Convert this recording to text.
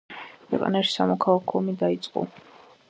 ქვეყანაში სამოქალაქო ომი დაიწყო.